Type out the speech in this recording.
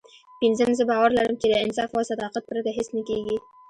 پينځم زه باور لرم چې له انصاف او صداقت پرته هېڅ نه کېږي.